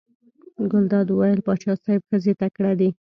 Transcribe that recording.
ګلداد وویل: پاچا صاحب ښځې تکړې دي.